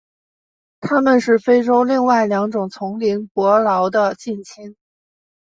它们是非洲另外两种丛林伯劳的近亲。